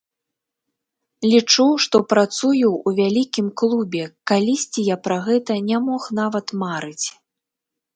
Лічу, што працую ў вялікім клубе, калісьці я пра гэта не мог нават марыць.